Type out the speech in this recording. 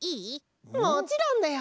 もちろんだよ！